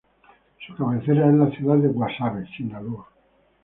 Su cabecera es la ciudad de Guasave, Sinaloa.